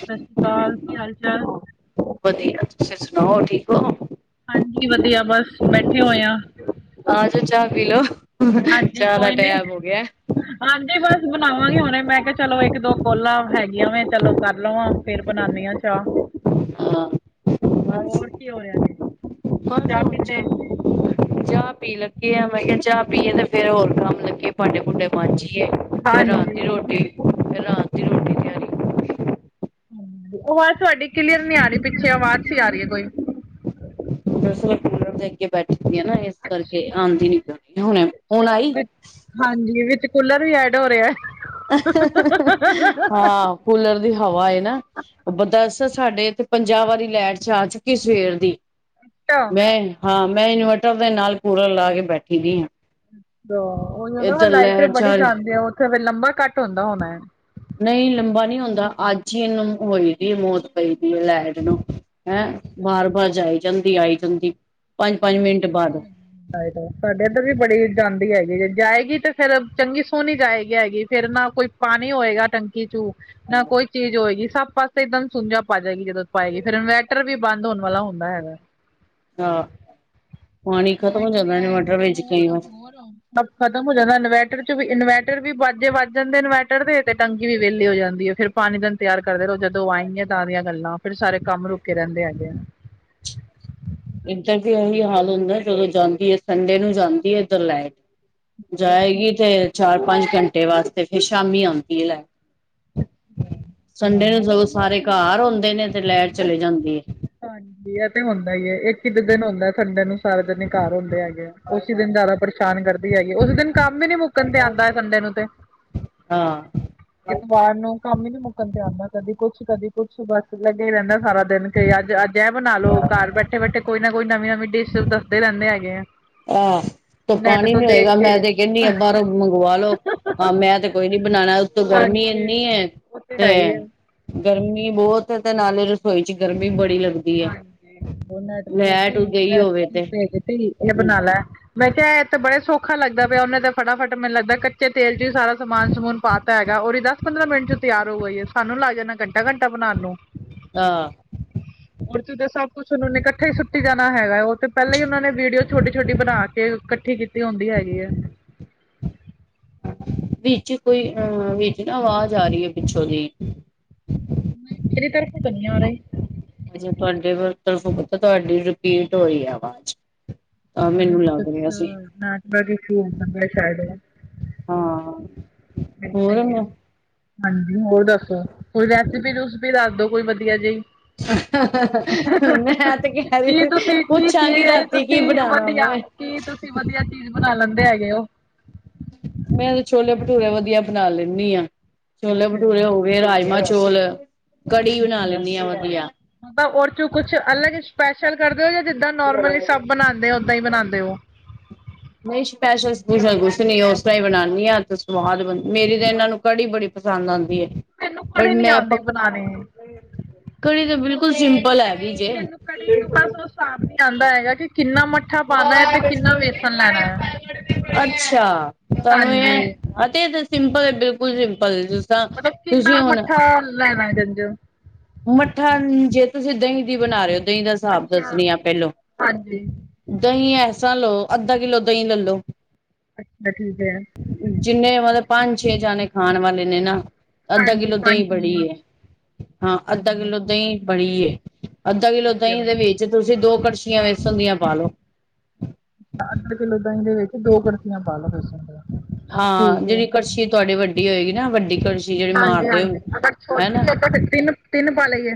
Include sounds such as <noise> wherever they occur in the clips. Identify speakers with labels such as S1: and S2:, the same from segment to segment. S1: ਸਤਿ ਸ਼੍ਰੀ ਅਕਾਲ ਕੀ ਹਾਲ ਚਾਲ
S2: ਵਧੀਆ, ਤੁਸੀਂ ਸੁਣਾਓ ਠੀਕ ਔ।
S1: ਹਾਂਜੀ ਵਧੀਆ ਬਸ, ਬੈਠੇ ਹੋਏ ਆ।
S2: ਆਜੋ ਚਾਹ ਪੀ ਲੋ
S1: ਹਾਂਜੀ
S2: ਚਾਹ ਦਾ
S1: ਕੋਈ ਨੀ
S2: ਟਾਇਮ ਹੋ ਗਿਆ।
S1: ਹਾਂਜੀ, ਬਸ ਬਣਾਵਾਂਗੇ ਹੁਣੇ ਮੈਂ ਕਿਹਾ ਚਲੋ ਇੱਕ ਦੋ ਕੋਲਾਂ ਹੈਗੀਆਂ ਵ ਚਲੋ ਕਰ ਲਵਾਂ। ਫਿਰ ਬਣਾਨੀ ਆ ਚਾਹ‌‌‌।
S2: ਹਾਂ ਬਸ
S1: ਹੋਰ ਕੀ ਹੋ ਰਿਹਾ ਜੇ
S2: ਬਸ
S1: ਚਾਹ
S2: ਹੁਣ
S1: ਪੀਂਦੇ
S2: ਚਾਹ
S1: <unintelligible>
S2: ਚਾਹ ਪੀ ਲੱਗੇ ਆ, ਮੈਂ ਕਿਆ, ਚਾਹ ਪੀਏ ਤੇ ਫੇਰ ਹੋਰ ਕੰਮ ਲਗੀਏ, ਭਾਂਡੇ-ਭੂੰਡੇ ਮਾਂਜੀਏ! ਫੇਰ ਰਾਤ ਦੀ
S1: ਹਾਂਜੀ
S2: ਰੋਟੀ--ਫੇਰ ਰਾਤ ਦੀ ਰੋਟੀ ਤਿਆਰੀ
S1: ਹੂੰ, ਆਵਾਜ਼ ਤੁਹਾਡੀ ਕਲੀਅਰ ਨੀ ਆ ਰੀ, ਪਿੱਛੇ ਆਵਾਜ਼ ਸੀ ਆ ਰੀ ਐ ਕੋਈ।
S2: ਦਰਅਸਲ ਕੂਲਰ ਦੇ ਅੱਗੇ ਬੈਠੀ ਆ ਨਾ, ਇਸ
S1: ਅੱਛਾ
S2: ਕਰਕੇ ਆਉਂਦੀ ਨੀ ਹੁਣੇ ਹੁਣ
S1: ਚਲੋ,
S2: ਆਈ।
S1: ਵਿੱਚ ਹਾਂਜੀ, ਵਿਚ ਕੂਲਰ ਵੀ ਐਡ ਹੋ ਰੇਆ। ਆਹ ਹਾਂ ਹਾਂ, ਹਾਂ ਹਾਂ!
S2: ਕੂਲਰ ਦੀ ਹਵਾ ਏ ਨਾ। ਬ--ਦੱਸ, ਸਾਡੇ ਇਥੇ ਪੰਜਾ ਵਾਰੀ ਲੈਟ ਜਾ ਚੁੱਕੀ ਸਵੇਰ ਦੀ!
S1: ਅੱਛਾ।
S2: ਮੈਂ ਹਾਂ, ਮੈਂ ਇਨਵਰਟਰ ਦੇ ਨਾਲ ਕੂੂਲਰ ਲਾ ਕੇ ਬੈਠੀ ਦੀ ਆਂ।
S1: ਦੋ--ਓਇ ਓ ਨਾ ਲਾਈਟ ਬੜੀ
S2: ਜਾ ਰਹੀ
S1: ਜਾਂਦੀ ਆ, ਉੱਥੇ ਫੇਰ ਲੰਬਾ ਕੱਟ ਹੁੰਦਾ ਹੋਣਾ।
S2: ਨਈਂ, ਲੰਬਾ ਨੀ ਹੁੰਦਾ, ਅੱਜ ਈ ਇਹਨੂੰ ਹੋਈ ਦੀ ਮੌਤ ਪਈਦੀ ਐ ਲੈਟ ਨੂੰ! ਹੈਂ!
S1: ਹੈ।
S2: ਬਾਰ-ਬਾਰ ਜਾਈ ਜਾਂਦੀ, ਆਈ ਜਾਂਦੀ। ਪੰਜ ਪੰਜ
S1: ਮਹਿੰਦੀ
S2: ਮਿੰਟ ਬਾਅਦ
S1: ਕਰਦੇ ਐ। ਸਾਡੇ ਏਧਰ ਵੀ ਬੜੀ ਜਾਂਦੀ ਹੈਗੀ, ਜੇ ਜਾਏਗੀ ਤੇ ਫੇਰ ਚੰਗੀ ਸੋਹਣੀ ਜਾਏਗੀ, ਆਏਗੀ! ਫੇਰ ਨਾ ਕੋਈ ਪਾਣੀ ਹੋਏਗਾ ਟੰਕੀ 'ਚ, ਨਾ ਕੋਈ ਚੀਜ਼ ਹੋਏਗੀ, ਸਭ ਪਾਸੇ ਇੱਕਦਮ ਸੁੰਝਾ ਪਾ ਜਾਏਗੀ, ਜਦੋਂ ਪਾਏਗੀ, ਫੇਰ ਇਨਵਰਟਰ ਵੀ ਬੰਦ ਹੋਣ ਵਾਲਾ ਹੁੰਦਾ ਹੈਗਾ!
S2: ਹਾਂ, ਪਾਣੀ ਖ਼ਤਮ ਹੋ ਜਾਂਦਾ ਇਨਵਰਟਰ ਵਿੱਚ ਕਈ ਵਾਰ
S1: ਸਭ ਖਤਮ ਹੋ ਜਾਂਦਾ ਇਨਵਰਟਰ 'ਚ ਵੀ ਇਨਵਰਟਰ ਵੀ ਬਾਜੇ ਵਾਜ ਜਾਂਦੇ ਇਨਵ ਟਰ ਵੀ ਤੇ ਟੰਕੀ ਵੀ ਵੇਹਲੀ ਹੋ ਜਾਂਦੀ ਐ, ਫੇਰ ਪਾਣੀ ਦਾ ਇੰਤਜ਼ਾਰ ਕਰਦੇ ਰੋ ਜਦੋਂ ਆਏੰਗੀਆ, ਤਾਂ ਦੀਆਂ ਗੱਲਾਂ ਫੇਰ ਸਾਰੇ ਕੰਮ ਰੁਕੇ ਰਹਿੰਦੇ ਹੈਗੇ ਆ।
S2: ਇੱਧਰ ਵੀ ਇਹੀ ਹਾਲ ਹੁੰਦਾ, ਜਦੋਂ ਜਾਂਦੀ ਐ, ਸੰਡੇ ਨੂੰ ਜਾਂਦੀ ਐ ਇੱਧਰ ਲੈਟ!
S1: ਆ
S2: ਜਾਏਗੀ ਤੇ ਚਾਰ ਪੰਜ-ਘੰਟੇ ਵਾਸਤੇ, ਫੇਰ ਸ਼ਾਮੀ ਆਉਂਦੀ ਹੈ ਲੈਟ! ਸੰਡੇ ਨੂੰ
S1: ਹਾਂ
S2: ਸਗੋਂ ਸਾਰੇ ਘਰ ਹੁੰਦੇ ਨੇ, ਤੇ ਲੈਟ ਚਲੀ ਜਾਂਦੀ ਐ।
S1: ਹਾਂਜੀ, ਇਹ ਤੇ ਹੁੰਦਾ ਈ ਐ, ਇਕ ਈ ਤਾਂ ਦਿਨ ਹੁੰਦਾ ਸੰਡੇ ਨੂੰ, ਸਾਰੇ ਜਣੇ ਘਰ ਹੁੰਦੇ ਹੈਗੇ ਆ! ਓਸੀ ਦਿਨ ਜ਼ਿਆਦਾ ਪਰੇਸ਼ਾਨ ਕਰਦੀ ਹੈਗੀ, ਉਸ ਦਿਨ ਕੰਮ ਵੀ ਨੀ ਮੁੱਕਣ 'ਤੇ ਆਂਦਾ ਏ ਸੰਡੇ ਨੂੰ ਤੇ!
S2: ਹਾਂ।
S1: ਇਤਵਾਰ ਨੂੰ ਕੰਮ ਹੀ ਨੀ ਮੁੱਕਣ 'ਤੇ ਆਂਦਾ, ਕਦੀ ਕੁੱਛ, ਕਦੀ ਕੁੱਛ! ਬਸ, ਲੱਗਿਆ ਈ ਰਹਿੰਦਾ ਸਾਰਾ ਦਿਨ ਕਈ ਅੱਜ, ਅੱਜ ਜ ਬਣਾ ਲੋ ਘਰ ਬੈਠੇ-ਬੈਠੇ ਕੋਈ ਨਾ ਕੋਈ ਨਵੀਂ-ਨਵੀਂ ਡਿਸ਼ ਦੱਸਦੇ ਰਹਿੰਦੇ ਹੈਗੇ ਐਂ!
S2: ਆਹ, ਤੋ ਪਾਣੀ ਨੀ ਹੋਏਗਾ, ਮੈਂ ਤੇ ਕਹਿੰਨੀ ਆ, ਬਾਹਰੋਂ ਮੰਗਵਾ ਲੋ! ਹਾਂ, ਮੈਂ ਤੇ ਕੋਈ ਨੀ ਬਣਾਣਾ ਉਤੋਂ ਗਰਮੀ ਇੰਨੀ ਐ।
S1: ਓ ਤੇ ਹੈ ਈ ਐ!
S2: ਗਰਮੀ ਬੌਤ ਐ, ਤੇ ਨਾਲੇ ਰਸੋਈ 'ਚ ਗਰਮੀ ਬੜੀ ਲੱਗਦੀ। ਹੈ
S1: ਹਾਂਜੀ, ਓ ਨੈੱਟ ਤੇ ਦੇਖੀ
S2: ਲੈਟ ਗਈ ਹੋਵੇ
S1: ਰੈਸਿਪੀ
S2: ਤੇ
S1: ਭੇਜਤੀ ਏ ਬਣਾ ਲੈ। ਮੈਂ ਕਿਆ ਇਹ ਤੇ ਬੜਾ ਸੌਖਾ ਲੱਗਦਾ ਪਿਆ, ਉਹਨੇ ਤੇ ਫ਼ਟਾ-ਫ਼ਟ ਮੈਨੂੰ ਲੱਗਦਾ, ਕਟ ਤੇ ਤੇਲ 'ਚ ਵੀ ਸਾਰਾ ਸਮਾਨ-ਸਮੂਨ ਪਾਤਾ ਹੈਗਾ, ਓਦੀ ਦੱਸ ਪੰਦਰਾਂ ਮਿੰਟ 'ਚ ਤਿਆਰ ਹੋ ਗਈ ਐ! ਸਾਨੂੰ ਲੱਗ ਜਾਣਾ ਘੰਟਾ-ਘੰਟਾ ਬਣਾਣ ਨੂੰ।
S2: ਹਾਂ।
S1: ਔਰਚ ਤਾਂ ਸਭ ਕੁੱਛ ਉਹਨੋ ਨੇ ਇਕੱਠੇ ਈ ਸੁੱਟੀ ਜਾਣਾ ਹੈਗਾ, ਉਹ ਤੇ ਪਹਿਲਾਂ ਹੀ ਉਹਨਾਂ ਨੇ ਵੀਡੀਓ ਛੋਟੀ-ਛੋਟੀ ਬਣਾ ਕੇ ਕੱਠੀ ਕੀਤੀ‌ ਤੇ ਆਉਦੀ ਹੈਗੀ ਐ।
S2: ਵਿੱਚ ਕੋਈ ਅਹ, ਵਿੱਚ ਨਾ ਆਵਾਜ਼ ਆ ਰਈ ਐ ਪਿੱਛੋ ਦੀ!
S1: ਨਈ, ਮੇਰੀ ਤਰਫੋਂ ਤਾਂ ਨੀ ਆ ਰਈ।
S2: ਜੇ ਤੁਹਾਡੇ ਤਰ ਤਰਫੋ ਕਿੱਥੋਂ ਤੁਹਾਡੀ ਰਿਪੀਟ ਹੋ ਰਈ ਐ ਆਵਾਜ਼। ਤਾਂ ਮੈਨੂੰ ਲੱਗ ਰਿਹਾ ਸੀ
S1: <unintelligible>
S2: ਹਾਂ।
S1: <unintelligible>
S2: ਹੋਰ ਮੈਂ
S1: ਹਾਂਜੀ ਹੋਰ ਦੱਸੋ ਕੋਈ ਰੈਸਪੀ ਰੂਸਪੀ ਦੱਸ ਦੋ ਕੋਈ ਵਧੀਆ ਜੇਈ।
S2: ਮੈਂ ਤੇ ਕੈ ਰੀ
S1: ਕੀ
S2: ਸੀ
S1: ਤੁਸੀਂ ਕੀ ਚੀਜ਼
S2: ਪੁੱਛਾਂਗੀ
S1: ਹੈ
S2: ਰਾਤੀ ਕੀ
S1: ਤੁਸੀਂ
S2: ਬਣਾਣਾ
S1: ਵਧੀਆ
S2: ਵੈ।
S1: ਕੀ ਤੁਸੀਂ ਵਧੀਆ ਚੀਜ਼ ਬਣਾ ਲੈਂਦੇ ਹੈਗੇ ਓ।
S2: ਮੈਂ ਛੋਲੇ ਭਟੂਰੇ ਵਧੀਆ ਬਣਾ ਲੈਨੀ ਆ ਛੋਲੇ
S1: ਅੱਛਾ।
S2: ਭਟੂਰੇ ਹੋ ਫੇਰ ਰਾਜਮਾਂ ਚੋਲ ਕੜੀ ਬਣਾ ਲੈਂਨੀ ਆ ਵਧੀਆ।
S1: ਓਦਾਂ ਓਰ ਚੋ ਕੁਛ ਅਲੱਗ ਸਪੈਸ਼ਲ ਕਰਦੇ ਓ ਜਾਂ ਜਿੱਦਾਂ ਨੋਰਮਲੀ ਸਭ। ਬਣਾਦੇ ਓ, ਓਦਾਂ ਈ ਬਣਾਦੇ ਓ
S2: ਨਈ ਸਪੈਸ਼ਲ ਸਪਾਊਸਲ ਕੁਛ ਨੀ ਉਸ ਤਰ੍ਹਾਂ ਈ ਬਣਾਣੀ ਆ ਤੇ ਸਵਾਦ ਮੇਰੀ ਤਾ ਐਨਾ ਨੂੰ ਕੜੀ ਬੜੀ ਪਸੰਦ ਆਂਦੀ ਐ।
S1: ਮੈਨੂੰ
S2: ਪਰ
S1: ਕੜੀ ਨੀ
S2: ਮੈਂ ਅਪ
S1: ਆਉਂਦੀ ਬਣਾਉਣੀ।
S2: ਕੜੀ ਤੇ ਬਿਲਕੁਲ ਸਿੰਪਲ ਐ।
S1: ਮੈਨੂੰ ਕੜੀ ਚ ਬਸ ਓ ਸਾਬ ਨੀ ਆਦਾ ਹੈਗਾ ਕਿ ਕਿੰਨਾ ਮੱਠਾ ਪਾਣਾ ਐ ਤੇ ਕਿੰਨਾ ਵੇਸਣ। ਲੈਣਾ ਹੈ।
S2: ਅੱਛਾ ਤੁਆਨੂੰ ਏ
S1: ਹਾਂਜੀ
S2: ਅਤੇ ਏ ਤੇ ਸਿੰਪਲ ਐ ਬਿਲਕੁਲ ਸਿੰਪਲ। ਤਰ੍ਹਾਂ
S1: ਮਤਲਬ ਕਿੰਨਾ
S2: ਤੁਸੀਂ ਹੁਣ
S1: ਮੱਠਾ ਲੈਣਾ <unintelligible>
S2: ਮੱਠਾ ਨ ਜੇ ਤੁਸੀਂ ਦਈ ਦੀ ਬਣਾ ਰੇ ਓ ਦਈ ਦਾ ਸਾਬ ਦੱਸਣੀ ਆ ਪੈਲੋ।
S1: ਹਾਂਜੀ।
S2: ਦਈ ਐਸਾ ਲਓ ਅੱਧਾ ਕਿੱਲੋ ਦਈ ਲੈਲੋ।
S1: ਅੱਛਾ ਠੀਕ ਐ।
S2: ਜਿੰਨੇ ਮਤਲਬ ਪੰਜ ਛੇ ਜਾਨੇ ਖਾਣ ਵਾਲੇ ਨੇ ਨਾ ਅੱਧਾ
S1: ਹਾਂਜੀ
S2: ਕਿੱਲੋ ਦਈ
S1: ਪੰਜ
S2: ਬੜੀ ਐ। ਅੱਧਾ
S1: ਛੇ
S2: ਕਿੱਲੋ ਦਈ ਬੜੀ ਏ। ਅੱਧਾ ਕਿੱਲੋ ਦਈ
S1: ਅੱਛਾ।
S2: ਦੇ ਵਿ ਚ ਤੁਸੀਂ ਦੋ ਕੜਛੀਆਂ ਵੇਸਣ ਦੀਆਂ ਪਾਲੋ।
S1: ਅੱਧਾ ਕਿੱਲੋ ਦਈ ਦੇ ਵਿੱਚ ਦੋ ਕੜਛੀਆਂ ਪਾਲੋ ਵੇਸਣ ਦੀਆ
S2: ਹਾਂ ਜੇੜੀ ਕੜਛੀ ਤੁਆਡੀ ਵੱਡੀ ਹੋਏਗੀ ਨਾ ਵੱਡੀ ਕੜਛੀ ਜਿਹੜੀ
S1: ਹਾਂਜੀ
S2: ਮਾਰਦੇ
S1: ਹਾਂਜੀ
S2: ਹੋ
S1: ਅਗਰ
S2: ਹਨਾ
S1: ਛੋਟੀ ਐ ਤੇ ਫਿਰ ਤਿੰਨ ਤਿੰਨ ਪਾ ਲਈਏ।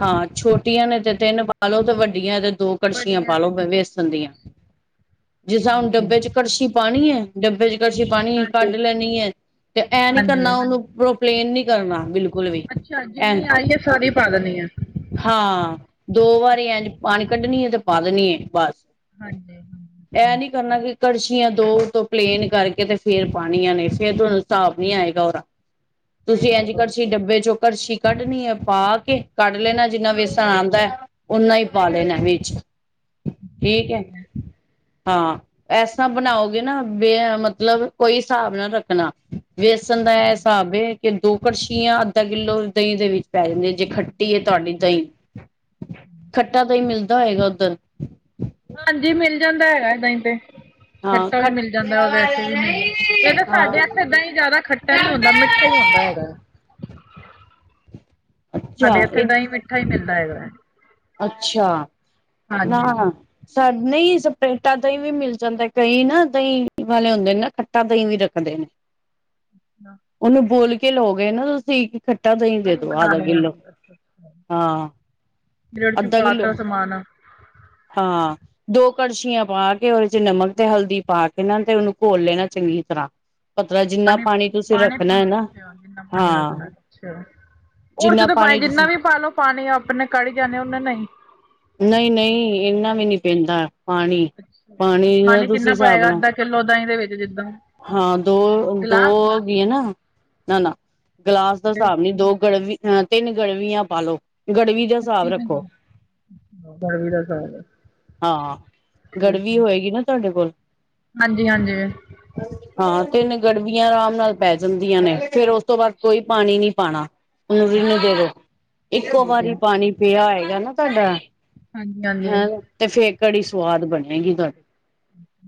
S2: ਹਾਂ, ਛੋਟੀਆਂ ਨੇ ਤੇ ਤਿੰਨ ਪਾਲੋ ਤੇ ਵੱਡੀਆਂ ਤੇ ਦੋ ਕੜਛੀਆਂ ਪਾ ਲੋ ਵੇਸਣ ਦੀਆਂ। ਜਿਸ ਸਾ ਹੁਣ
S1: ਠੀਕ ਹੈ।
S2: ਡੱਬੇ ਚ ਕੜਛੀ ਪਾਣੀ ਐ ਡੱਬੇ ਚ ਕੜਛੀ ਪਾਣੀ ਐ ਕੱਢ ਲੈਣੀ ਐ। ਤੇ ਐਂ ਨੀ
S1: ਹਾਂਜੀ
S2: ਕਰਨਾ ਓਨੂੰ ਉਪਰੋਂ ਪਲੇਨ ਨੀ ਕਰਨਾ ਬਿਲ
S1: ਅੱਛਾ ਜਿੰਨੀ ਆਈ ਏ ਸਾਰੀ ਪਾ ਦੇਣੀ ਆ।
S2: ਹਾਂ ਦੋ ਵਾਰੀ ਇੰਜ ਪਾਣੀ ਕੱਢਣੀ ਐ ਤੇ ਪਾ ਦੇਣੀ ਐ ਬਸ ਐ ਨੀ ਕਰਨਾ ਕਿ ਕੜਛੀਆਂ ਦੋ ਉਤੋਂ ਪਲੇਨ ਕਰਕੇ ਤੇ ਫੇਰ ਪਾਣੀਆਂ ਨੇ ਫੇਰ ਤੁਆਨੂੰ ਸਾਬ ਨੀ ਆਏਗਾ ਓਦਾ। ਤੁਸੀਂ ਇੰਝ ਕੜਛੀ ਡੱਬੇ ਚੋਂ ਕੜਛੀ ਕੱਢਣੀ ਐ, ਪਾ ਕੇ ਕੱਢ ਲੈਣਾ ਏ ਜਿੰਨਾ ਵੇਸਣ
S1: ਹਾਂਜੀ
S2: ਆਦਾ ਐ ਓਨਾ ਈ ਪਾ ਲੈਣਾ ਐ ਵਿੱਚ। ਠੀਕ ਐ। ਹਾਂ ਐਸਾ ਬਣਾਓਗੇ ਨਾ ਬੇ ਮਤਲਬ ਕੋਈ ਸਾਬ ਨਾ ਰੱਖਣਾ। ਵੇਸਣ ਦਾ ਐ
S1: ਅੱਛਾ
S2: ਸਾਬ ਐ ਕਿ ਦੋ ਕੜਛੀਆਂ ਅੱਧਾ ਕਿੱਲੋ ਦਈ ਦੇ ਵਿੱਚ ਪੈ ਜਾਂਦੀਆਂ ਜੇ ਖੱ ਟੀ
S1: ਦੋ
S2: ਐ ਤੁਆਡੀ
S1: ਪੈਣੇ।
S2: ਦਈ ਖੱਟਾ ਦਈ ਮਿਲਦਾ ਹੋਏਗਾ ਓਧਰ।
S1: ਹਾਂਜੀ ਮਿਲ ਜਾਂਦਾ ਹੈਗਾ ਦਈ ਤੇ।
S2: ਹਾਂ
S1: ਖੱਟਾ
S2: ਖ
S1: ਵੀ ਮਿਲ ਜਾਂਦਾ ਔਰ ਵੈਸੇ ਵੀ ਮਿਲ ਜਾਂ ਵੈਸੇ
S2: ਹਾਂ
S1: ਸਾਡੇ ਐਥੇ ਦਈ ਜ਼ਾਦਾ ਖੱਟਾ ਨੀ ਹੁੰਦਾ ਮਿੱਠਾ ਈ ਹੁੰਦਾ ਐ। <inaudible>
S2: ਅੱਛਾ
S1: ਸਾਡੇ ਇੱਥੇ
S2: ਇਹ
S1: ਦਈ ਮਿੱਠਾ ਈ ਮਿਲਦਾ ਹੈਗਾ।
S2: ਅੱਛਾ
S1: ਹਾਂਜੀ
S2: ਨਾ ਸਾ ਨਹੀਂ ਸਪਰੇਟਾ ਦਹੀਂ ਵੀ ਮਿਲ ਜਾਂਦੈ, ਕਈ ਨਾ ਦਹੀਂ ਵਾਲੇ ਹੁੰਦੇ ਨੇ ਨਾ ਖੱਟਾ ਦਹੀਂ ਵੀ ਰੱਖਦੇ ਨੇ।
S1: <inaudible>
S2: ਓਨੂੰ ਬੋਲ ਕੇ ਲੋਗੇ ਨਾ ਤੂਸੀ ਕੀ ਖੱਟਾ ਦਹੀਂ ਦੇ
S1: ਕੜੀ
S2: ਦੋ ਆਦਾ
S1: ਬਣਾਉਣੀ ਆ
S2: ਕਿੱਲੋ,
S1: ਅਸੀਂ
S2: ਹਾਂ।
S1: ਰਿੜ ਚੁ
S2: ਅੱਦਾ ਕਿੱਲੋ,
S1: ਪਾਤਾ ਸਮਾਨ
S2: ਹਾਂ। ਦੋ ਕੜਸੀ਼ਆਂ ਪਾ ਕੇ ਓਦੇ ਚ ਨਮਕ ਤੇ ਹਲਦੀ ਪਾ ਕੇ ਨਾ ਤੇ ਓਨੂੰ ਘੋਲ ਲੈਨਾ ਚੰਗੀ ਤਰਾਂ। ਪਤਲਾ ਜਿੰਨਾ ਪਾਣੀ ਤੂਸੀ ਰੱਖਨੈ ਨਾ, ਹਾਂ।
S1: ਛਾ,
S2: ਜਿੰਨਾ
S1: <unintelligible>
S2: ਪਾਣੀ
S1: ਜਿੰਨਾ
S2: ਤੁਸੀਂ
S1: ਵੀ ਪਾਲੋ ਪਾਣੀ ਆਪਨੇ ਕਾੜ ਈ ਜਾਨੈ ਉਨੇ ਨਈ।
S2: ਨਈ ਨਈ ਇੱਨਾ ਵੀ ਨੀ ਪੈਂਦਾ ਪਾਣੀ, ਪਾਣੀ ਨਾ ਤੂਸੀ ਹਿਸਾਬ ਨਾਲ
S1: ਕਿਲੋ ਦਹੀਂ ਦੇ ਵਿੱਚ ਜਿੱਦਾਂ
S2: ਹਾਂ, ਦੋ-ਦੋ
S1: ਗਿਲਾਸ
S2: ਹੋਗੀਆਂ ਨਾ ਨਾ-ਨਾ ਗਲਾਸ ਦਾ ਸ੍ਹਾਬ ਨੀ, ਦੋ ਗੜਵੀ, ਅਂ ਤਿੰਨ ਗੜਵੀਆਂ ਪਾਲੋ। ਗੜਵੀ ਜਾ ਸ੍ਹਾਬ ਰੱਖੋ।
S1: ਗਰਮੀ ਦਾ ਸਾਗ
S2: ਹਾਂ, ਗੜਵੀ ਹੋਏਗੀ ਨਾ ਤੂਆਡੇ ਕੋਲ?
S1: ਹਾਂਜੀ-ਹਾਂਜੀ।
S2: ਹਾਂ, ਤਿੰਨ ਗੜਵੀਆਂ ਅਰਾਮ ਨਾਲ ਪੈ ਜੰਦੀਆਂ ਨੇ, ਫੇਰ ਉਸ ਤੋਂ ਬਾਦ ਕੋਈ ਪਾਨੀ ਨੀ ਪਾਣਾ, ਉਨੂੰ ਰਿੰਨ ਦੇਵੋ, ਇੱਕੋ ਵਾਰੀ ਪਾਨੀ ਪੇਆ ਹੋਏਗਾ ਨਾ ਤੁਆਡਾ
S1: ਹਾਂਜੀ ਹਾਂਜੀ
S2: ਅਂ, ਤੇ ਫੇਰ ਕੜੀ ਸਵਾਦ ਬਣੇਗੀ ਤੂਆਡੀ।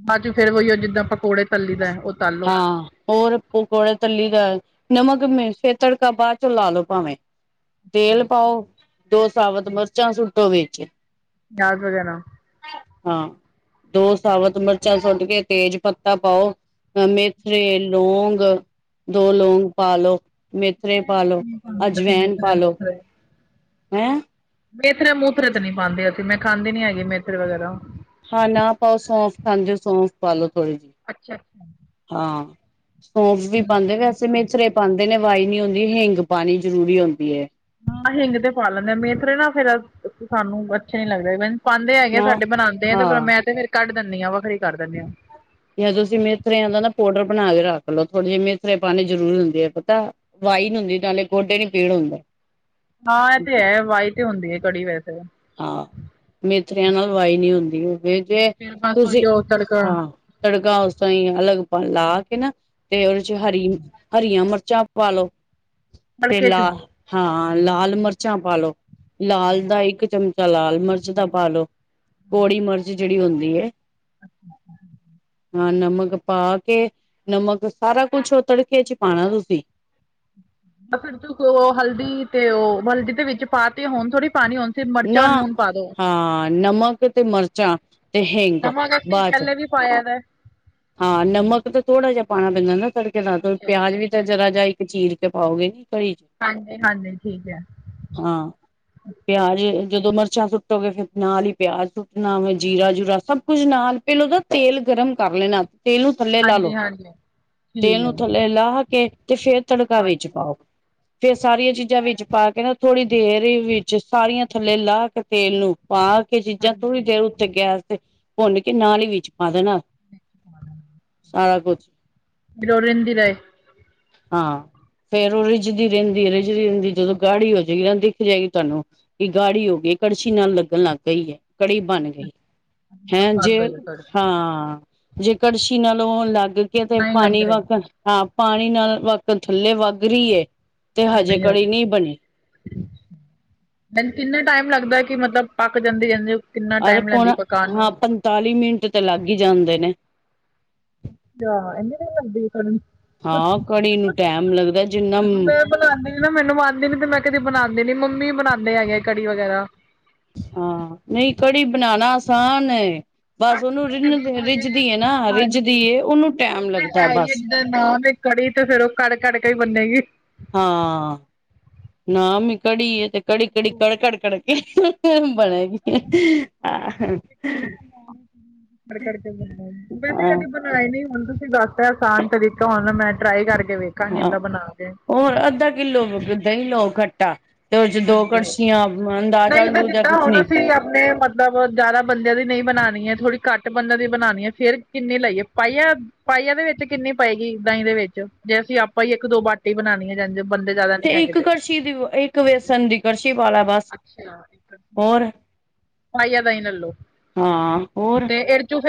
S1: ਬਾਚੋ ਫੇਰ ਵੋਈ ਓ ਜਿੱਦਾਂ ਪਕੌੜੇ ਤੱਲੀ ਦਾ, ਓ ਤੱਲ ਲੋ।
S2: ਹਾਂ ਹੋਰ ਪਕੌੜੇ ਤੱਲੀ ਦੈ, ਨਮਕ, ਮਿਰਚ ਤੇ ਤੜਕਾ ਬਾਦ ਚੋਂ ਲਾਲੋੋ ਭਾਂਵੇ। ਤੇਲ ਪਾਓ, ਦੋ ਸਾਬਤ ਮਰਚਾਂ ਸੁੱਟੋ ਵਿੱਚ
S1: <inaudible>
S2: ਹਾਂ, ਦੋ ਸਾਬਤ ਮਰਚਾਂ ਸੁੱਟ ਕੇ, ਤੇਜ ਪੱਤਾ ਪਾਓ ਅ ਮੇਥਰੇ, ਲੌਂਗ ਦੋ ਲੌਂਗ ਪਾਲੋੋ ਮੇਥਰੇ ਪਾਲੋ, ਅਜਵੈਨ
S1: ਮੇਥਰੇ
S2: ਪਾਲੋ, ਹੈਂ
S1: ਮੇਥਰੇ-ਮੂਥਰੇ ਤੇ ਨੀ ਪਾਂਦੇ ਅਸੀ, ਮੈਂ ਖਾਂਦੀ ਨੀ ਹੈਗੀ ਮੇਥਰੇ ਵਗੈਰਾ।
S2: ਹਾ ਨਾ ਪਾਓ, ਸੌਂਫ ਖਾਂਦੇ ਓ ਸੌਂਫ ਪਾਲੋ ਥੋੜੀ ਜੀ।
S1: ਅੱਛਾ।
S2: ਹਾਂ, ਸੌਂਫ ਵੀ ਪਾਂਦੇ ਵੈਸੇ ਮੇਥਰੇ ਪਾਂਦੇ ਨੇ, ਵਾਈ ਨੀ ਹੁੰਦੀ, ਹਿੰਗ ਪਾਨੀ ਜਰੂਰੀ ਹੋਂਦੀ ਏ।
S1: ਹਾਂ ਹਿੰਗ ਤੇ ਪਾ ਲੈਂਨੇ ਆ, ਮੇਥਰੇ ਨਾ ਫੇਰ ਸਾਨੂੰ ਅੱਛੇ ਨੀ ਲੱਗਦੇ ਵੇਨ ਪਾਂਦੇ ਹੈਗੇ ਆ,
S2: ਨਾ
S1: ਸਾਡੇ ਬਨਾਂਦੇ ਐ, ਤੇ ਪਰ
S2: ਹਾਂ
S1: ਮੈਂ ਤੇ ਫੇਰ ਕਾੱਡ ਦੇਨੀ ਆਂ, ਵੱਖਰੇ ਈ ਕਾਰ ਦੇਨੀ ਆਂ।
S2: ਯਾ ਤੂਸੀ ਮੇਥਰੇ ਦਾ ਨਾ ਪਾਊਡਰ ਬਨਾ ਕੇ ਰਾੱਖ ਲੋ, ਥੋੜੇ ਜੇ ਮੇਥਰੇ ਪਾਨੇ ਜ਼ਰੂਰੀ ਹੁੰਦੈ, ਪਤੈ। ਵਾਈ ਨੀ ਹੁੰਦੀ, ਨਾਲੇ ਗੋਡੇ ਨੀ ਪੀੜ ਹੁੰਦੇ।
S1: ਹਾਂ, ਐ ਤੇ ਹੈ ਵਾਈ ਤੇ ਹੁੰਦੀ ਏ ਕੜੀ ਵੈਸੇ।
S2: ਹਾ ਮੇਥੇਰੇਆਂ ਨਾਲ ਵਾਈ ਨੀ ਹੁੰਦੀ, ਹੋਵੇ ਜੇ
S1: ਫੇਰ ਬਸ
S2: ਤੂਸੀ,
S1: ਉਹੀ ਉਹ ਤੜਕਾ
S2: ਹਾਂ। ਤੜਕਾ ਉਸ ਤਰਾਂ ਈ ਅਲੱਗ ਲਾ ਕੇ ਨਾ ਤੇ ਓਦੇ ਚ ਹਰੀ, ਹਰੀਆਂ ਮਰਚਾਂ ਪਾਲੋ ਤੇ
S1: ਤੜਕੇ ਚ
S2: ਲਾ, ਹਾਂ ਲਾਲ ਮਰਚਾਂ ਪਾਲੋ, ਲਾਲ ਦਾ ਇੱਕ ਚਮਚਾ ਲਾਲ ਮਰਚ ਦਾ ਪਾਲੋ, ਕੌੜੀ ਮਰਚ ਜੇੜੀ ਹੁੰਦੀ ਏ
S1: <inaudible>
S2: ਹਾਂ ਨਮਕ ਪਾ ਕੇ, ਨਮਕ ਸਾਰਾ ਕੁੱਛ ਓ ਤੜਕੇ ਚ ਪਾਣੈ ਤੂਸੀ।
S1: <unintelligible> ਓ ਹਲਦੀ ਤੇ ਓ, ਹਲਦੀ ਤੇ ਵਿੱਚ ਪਾ ਤੀ ਏ, ਹੋਨ ਥੋੜੀ ਪਾਨੀ ਏ ਹੋਨ
S2: ਨਾ, ਹਾਂ ਨਮਕ ਤੇ ਮਰਚਾਂ ਤੇ ਹਿੰਗ
S1: ਨਮਕ ਅਸੀਂ
S2: ਬਾਅਚੋ
S1: ਪਹਿਲੇ ਵੀ ਪਾਇਆ ਦਾ
S2: ਹਾਂ, ਨਮਕ ਤੇ ਥੋੜਾ ਜੇਆ ਪਾਣਾ ਪੈਂਦਾ ਨਾ, ਤੜਕੇ ਨਾਲ ਪੇਆਜ ਵੀ ਤਾਂ ਜਰਾ ਜੇਆ ਈ ਚੀਰ ਕੇ ਪਾਓਗੇ ਨੀਂ ਕੜੀ 'ਚ
S1: ਹਾਂਜੀ- ਹਾਂਜੀ ਠੀਕ ਐ।
S2: ਹਾਂ। ਪੇਆਜ ਜਦੋਂ ਮਰਚਾਂ ਸੁੱਟੋਗੇ ਫੇਰ ਨਾਲ ਈ ਪੇਆਜ ਸੁੱਟਨਾ ਫੇਰ ਜੀਰਾ- ਜੂਰਾ ਸਭ ਕੁੱਝ ਨਾਲ ਪੈਲੋਂ ਨਾ ਤੇਲ ਗਰਮ ਕਰ ਲੈਨਾ ਤੇਲ ਨੂੰ ਥੱਲੇ ਲਾ
S1: ਹਾਂਜੀ
S2: ਲੋ
S1: ਹਾਂਜੀ
S2: ਤੇਲ
S1: ਠੀਕ
S2: ਨੂੰ
S1: ਹੈ
S2: ਥੱਲੇ ਲਾਹ ਕੇ ਤੇ ਫੇਰ ਤੜਕਾ ਵਿੱਚ ਪਾਓ। ਫੇਰ ਸਾਰੀਆਂ ਚੀਜਾਂ ਵਿੱਚ ਪਾ ਕੇ ਨਾ, ਥੋੜੀ ਦੇਰ ਵਿੱਚ ਸਾਰੀਆਂ ਥੱਲੇ ਲਾ ਕੇ ਤੇਲ ਨੂੰ ਪਾ ਕੇ ਚੀਜਾਂ ਥੋੜੀ
S1: ਹਾਂਜੀ
S2: ਦੇਰ ਉੱਤੇ ਗੈਸ ਤੇ ਭੁੰਨ ਕੇ ਨਾਲ ਈ ਵਿੱਚ ਪਾ ਦੇਨਾ। ਸਾਰਾ ਕੁਛ
S1: <unintelligible>
S2: ਹਾਂ। ਫੇਰ ਓ ਰਿੱਝਦੀ ਰੈੰਦੀ-ਰਿੱਝਦੀ ਰੈਂਦੀ ਜਦੋਂ ਗਾੜੀ ਹੋ ਜਾਏਗੀ ਨਾ ਦਿੱਖ ਜਾਏਗੀ ਤੁਆਨੂੰ ਕਿ ਗਾੜੀ ਹੋ ਗਈ, ਕੜਛੀ ਨਾਲ ਲੱਗਨ ਲੱਗ ਪਈ ਐ। ਕੜੀ ਬਨ ਗਈ ਹੈਂ,
S1: ਪੱਕ
S2: ਜੇ
S1: ਗਈ ਕੜੀ
S2: ਹਾਂ ਜੇ ਕੜਛੀ ਨਾਲੋਂ ਲੱਗ ਕੇ ਤੇ
S1: ਨਹੀਂ ਲੱਗ
S2: ਪਾਨੀ
S1: ਰਹੀ
S2: ਵਾਂਕਨ ਹਾਂ, ਪਾਣੀ ਨਾਲ ਵੱਗ ਕੇ ਥੱਲੇ ਵੱਗ ਰਈ ਐ।
S1: ਨਈਂ ਹੋਨੇ <unintelligible> ਏਨੂ ਕਿੰਨਾ ਟਾਈਮ ਲੱਗਦੈ ਕਿ ਮਤਲਬ ਪੱਕ ਜਾਂਦੇ- ਜਾਂਦੇ ਕਿੰਨਾ ਟਾਈਮ ਲੈਂਦੀ ਪਕਾਣ ਨੂੰ?
S2: ਚਾਲੀ ਮਿੰਟ ਤੇ ਲੱਗ ਈ ਜਾਂਦੇ ਨੇ।
S1: ਆ, ਇਨੀਂ ਦੇਰ ਲਗਦੀ ਐ ਕੜੀ
S2: ਹਾਂ, ਕੜੀ ਨੂੰ ਟੈਮ ਲੱਗਦੈ ਜਿੰਨਾ
S1: ਬਨਾਂਦੀ ਨੀਂ ਨਾ ਮੈਨੂੰ ਆਂਦੀ ਨੀ, ਮੈਂ ਕਦੀ ਬਨਾਂਦੀ ਨੀਂ ਮੰਮੀ ਬਨਾਂਦੇ ਹੈਗੇ ਕੜੀ ਵਗੈਰਾ
S2: ਹਾਂ, ਨਈਂ ਕੜੀ ਬਨਾਣਾ ਆਸਾਨ ਐ। ਬਸ ਓਨੂੰ ਰਿੰਨ
S1: ਕਦੀ
S2: ਦੇ,
S1: ਹਜੇ
S2: ਰਿੱਝਦੀ ਏ ਨਾ, ਰਿੱਝਦੀ
S1: ਹਾਂਜੀ।
S2: ਏ ਓਨੂੰ
S1: ਉਹ
S2: ਟੈਮ
S1: ਤੇ
S2: ਲੱਗਦੈ
S1: ਹੈ ਹੀ ਹੈ
S2: ਬਸ
S1: ਜਿੱਦਾਂ ਨਾਮ ਈ ਕੜੀ ਤੇ ਫੇਰ ਓ ਕੜ -ਕੜ ਕੇ ਈ ਬਨੇਗੀ।
S2: ਹਾਂ, ਨਾਮ ਈ ਕੜੀ ਏ ਤੇ ਕੜੀ-ਕੜੀ, ਕੜ- ਕੜ, ਕੜ ਕੇ ਬਨੇਗੀ, ਆ।
S1: ਕੜ-ਕੜ ਕੇ ਬਨੇਗੀ ਵੈਸੇ
S2: ਹਾਂ
S1: ਕਦੀ ਬ ਨਾਈ, ਨਈਂ ਹੁਨ ਤੁਸੀ ਦੱਸ ਤੈ ਆਸਾਨ ਤਰੀਕਾ ਹੁਨ ਮੈਂ ਟਰਾਈ ਕਰਕੇ ਵੇਖਾਂਗੀ
S2: ਹਾਂ
S1: ਇੱਦਾਂ ਬਨਾ ਕੇ-
S2: ਹੋਰ ਅੱਧਾ ਕਿੱਲੋ, ਦਈਂ ਲਓ ਖੱਟਾ ਤੇ ਓਦੇ ਚ ਦੋ
S1: ਹਾਂਜੀ।
S2: ਕੜਛੀਆਂ ਅੰਦਾਜਾ- ਅੰਦੂਜਾ ਕੁਛ ਨੀਂ
S1: ਜੇ ਮਤਲਬ ਜਾਦਾ ਬੰਦੇਆਂ ਦੀ ਨਈਂ ਬਨਾਨੀ ਐ, ਥੋੜੀ ਘੱਟ ਬੰਦੇਆਂ ਦੀ ਬਨਾਨੀ ਐ, ਫੇਰ ਕਿੰਨੀ ਲਈਏ ਪਾਈਆ? ਪਾਈਆ ਦੇ ਵਿੱਚ ਕਿੰਨੀ ਪਏਗੀ ਦਈਂ ਦੇ ਵਿੱਚ ਜੇ ਅਸੀ ਆਪਾਂ ਈ ਇੱਕ, ਦੋ ਬਾਟੀ ਬਨਾਨੀ ਐ, ਜਿੰਜ
S2: ਤੇ ਇੱਕ ਕੜਸ਼ੀ ਦੀ, ਇੱਕ ਵੇਸਨ ਦੀ ਕੜਸ਼ੀ ਪਾ ਲਾ ਬਸ
S1: ਅੱਛਾ,
S2: ਹੋਰ
S1: ਪਾਈਆ ਦਈਂ ਲੈ ਲੋ
S2: ਹਾਂ, ਹੋਰ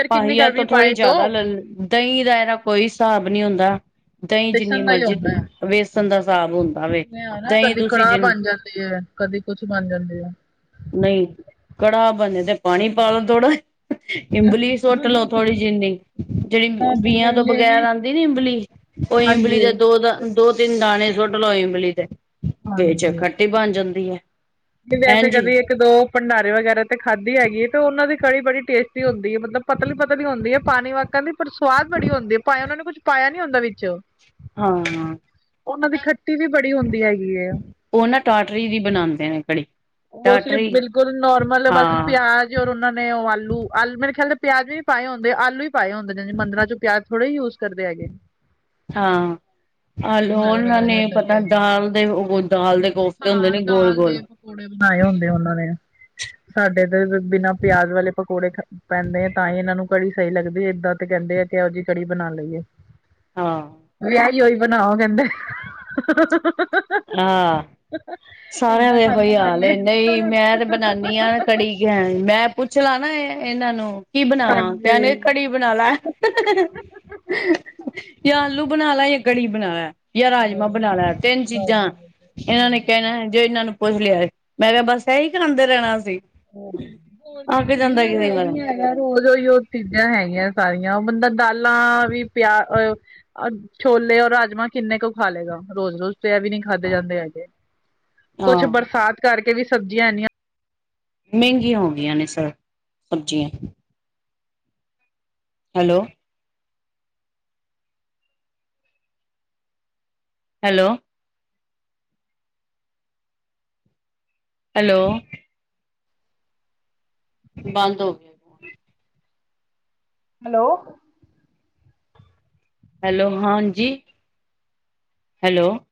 S2: ਪਾਈਆ
S1: ਕਰ ਵੀ
S2: ਤੋਂ ਥੋੜੀ
S1: ਪਾਏ ਦੋ
S2: ਜਾਦਾ ਲੈ ਦਈਂ ਦਾ ਏਦਾ ਕੋਈ ਹਸਾਬ ਨਈਂ ਹੁੰਦਾ, ਦਈਂ ਜਿੰਨੀ
S1: ਬੇਸਣ ਦਾ
S2: ਮਰਜੀ, ਵੇਸਨ ਦਾ ਹਸਾਬ ਹੁੰ
S1: ਇਵੇਂ ਐ ਨਾ ਕਦੀ ਕੜਾਅ ਬਨ ਜਾਂਦੀ ਐ, ਕਦੀ ਕੁਛ ਬਨ ਜਾਂਦੀ ਐ।
S2: ਨਈਂ ਕੜਾ ਬਨੇ ਤੇ ਪਾਨੀ ਪਾ ਲੋ ਥੋੜਾ। ਇੰਬਲੀ ਸੁੱਟ ਲਓ ਥੋੜੀ ਜਿੰਨੀ, ਜੇਹੜੀ
S1: ਮੈਂ ਤੇ
S2: ਬੀਆਂ
S1: ਲੈ
S2: ਤੋਂ
S1: ਲਏ
S2: ਬਗੈਰ
S1: ਵੀ
S2: ਆਂਦੀ ਨੀ ਇੰਬਲੀ ਓ ਇਮਬਲੀ
S1: ਹਾਂਜੀ
S2: ਜੇ ਦੋ ਦਾ ਦੋ, ਤਿੰਨ ਦਾਨੇ ਸੁੱਟ ਲਓ ਇੰਬਲੀ ਦੇ, ਵਿੱਚ ਖੱਟੀ ਬਨ ਜਾਂਦੀ ਐ।
S1: ਨੀਂ ਵੈਸੇ ਕਦੀ ਇੱਕ, ਦੋ ਭੰਡਾਰੇ ਵਗੈਰਾ ਤੇ ਖਾਦੀ ਹੈਗੀ ਐ ਤੇ ਓਨਾਂ ਦੇ ਦੀ ਕੜੀ ਬੜੀ ਟੇਸਟੀ ਹੁੰਦੀ ਏ ਮਤਲਬ ਪਤਲੀ-ਪਤਲੀ ਹੁੰਦੀ ਏ ਪਾਨੀ ਵਾਕਨ ਦੀ ਪਰ ਸਵਾਦ ਬੜੀ ਹੁੰਦੀ ਏ ਭਾਏਂ ਓਨਾਂ ਨੂੰ ਕੁਛ ਪਾਇਆ ਨੀ ਹੁੰਦਾ ਵਿੱਚ।
S2: ਹਾਂ
S1: ਓਨਾਂ ਦੀ ਖੱਟੀ ਵੀ ਬੜੀ ਹੁੰਦੀ ਹੈਗੀ ਐ।
S2: ਓ ਨਾ ਟਾਟਰੀ ਦੀ ਬਨਾਂਦੇ ਨੇ ਕੜੀ।
S1: <unintelligible>
S2: ਟਾਟਰੀ
S1: ਬਿਲਕੁਲ ਨੋਰਮਲ ਬਸ
S2: ਹਾਂ
S1: ਪਿਆ ਜ ਔਰ ਓਨਾਂ ਨੇ ਓ ਆਲੂ, ਆਲੂ ਮੇਰੇ ਖਿਆਲ ਤੇ ਪਿਆਜ਼ ਵੀ ਨੀ ਪਾਏ ਹੁੰਦੇ, ਆਲੂ ਹੀ ਪਾਏ ਹੁੰਦੇ ਨੇ ਜੀ। ਮੰਦਰਾਂ 'ਚ ਪਿਆਜ ਥੋੜੇ ਈ ਯੂਜ਼ ਕਰਦੇ ਹੈਗੇ ਨ।
S2: ਹਾਂ। ਆਲੂ ਓਨਾਂ ਨੇ ਪਤਾ ਨ ਦਾਲ ਦੇ ਓਹੋ ਦਾਲ ਦੇ ਕੋਫਤੇ ਹੁੰਦੇ
S1: ਹਾਂ
S2: ਨੇ
S1: ਦਾਲ ਦੇ
S2: ਗੋਲ-ਗੋਲ
S1: ਪਕੌੜੇ ਬਨਾਏ ਹੁੰਦੇ ਓਨਾਂ ਨੇ। ਸਾਡੇ ਏੱਧਰ ਤੇ ਬਿਨਾ ਪਿਆਜ ਵਾਲੇ ਪਕੌੜੇ ਪੈਂਦੇ ਆ ਤਾਂ ਈ ਏਨਾਂ ਨੂੰ ਕੜੀ ਸਈ ਲੱਗਦੀ ਏ। ਏਦਾਂ ਤੇ ਕੈਂਦੇ ਆ ਕਿ ਕੈਹੋ ਜਈ ਕੜੀ ਬਨਾ ਲਈ ਏ।
S2: ਹਾਂ।
S1: ਵਿਆਈ ਹੋਈ ਬਨਾਓ ਕੇਂਦੇ
S2: ਹਾਂ, ਸਾਰਿਆਂ ਦੇ ਐਹੋ ਈ ਹਾਲ ਏ। ਨਈ, ਮੈਂ ਤੇ ਬਨਾਨੀਂ ਆਂ। ਕੜੀ ਖੈਨ, ਮੈਂ ਪੁੱਛ ਲਾਂ ਨਾ ਏ ਏਨਾਂ ਨੂੰ ਕੀ ਬਨਾਵਾਂ।
S1: ਹਾਂਜੀ
S2: ਕੈਨਗੇ
S1: ਹੋਰ
S2: ਕੜੀ ਬਨਾ ਲੈ। ਯਾਂ ਆਲੂ ਬਨਾ ਲੈ ਯਾਂ ਕੜੀ ਬਨਾ ਲੈ ਯਾਂ ਰਾਜਮਾ ਬਨਾ ਲੈ ਤਿੰਨ ਚੀ ਜਾਂ ਏਨਾਂ ਨੇ ਕੈਨੈ ਜੇ ਏਨਾਂ ਨੂੰ ਪੁੱਛ ਲਿਆ ਏ। ਮੈਂ ਕਿਆ ਬਸ ਐਈ ਖਾਂਦੇ ਰੈਨੈ ਅਸੀ।
S1: ਹੋਰ ਕੀ ਸਬਜੀਆਂ ਵੀ
S2: ਵਾਰ
S1: ਐਹੀ ਹੈਗੈ। ਹੋਰ ਓਈਯੋ ਚੀਜਾਂ ਹੈਗੀਐਂ ਸਾਰੀਆਂ। ਓ ਬੰਦਾ ਦਾਲਾਂ ਵੀ ਪਿਆ ਅ ਆ ਛੋਲੇ ਔਰ ਰਾਜਮਾਂ ਕਿੰਨੇ ਕੁ ਖਾ ਲੇ ਗਾ ਰੋਜ-ਰੋਜ ਤੇ ਐ ਵੀ ਨੀ ਖਾਧੇ ਜਾਂਦੇ ਹੈਗੇ। ਕੁਛ
S2: ਹਾਂ
S1: ਬਰਸਾਤ ਕਰਕੇ ਵੀ ਸਬਜੀਆਂ ਐਨੀਆਂ
S2: ਮੇਂਗੀਆਂ ਹੋ ਗਈਆਂ ਨੇ ਸਰ ਸਬਜੀਆਂ। ਹੈਲੋ। ਹੈਲੋ। ਹੈਲੋ। ਬੰਦ ਹੋ ਗਿਐ।
S1: ਹੈਲੋ।
S2: ਹੈਲੋ, ਹਾਂ ਜੀ। ਹੈਲੋ।